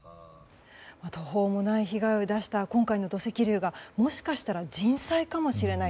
途方もない被害を出した今回の土石流がもしかしたら人災かもしれない。